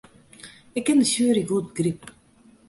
Ik kin de sjuery goed begripe.